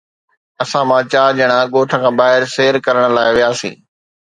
اسان مان چار ڄڻا ڳوٺ کان ٻاهر سير ڪرڻ لاءِ وياسين